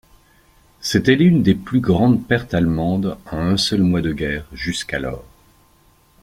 C’était l'une des plus grandes pertes allemandes en un seul mois de guerre jusqu'alors.